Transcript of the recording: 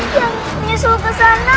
yang menyusul ke sana